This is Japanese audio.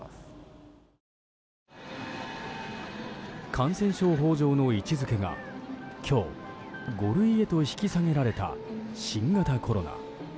感染症法上の位置づけが今日、５類へと引き下げられた新型コロナ。